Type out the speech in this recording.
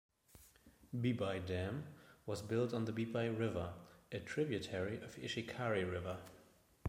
Bibai Dam was built on the Bibai River, a tributary of Ishikari River.